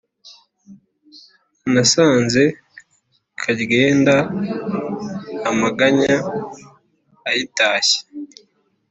nasanze karyenda amaganya ayitashye.